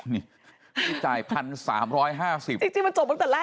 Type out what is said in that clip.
นี่จ่าย๑๓๕๐บาทจริงมันจบตั้งแต่แรกเหรอ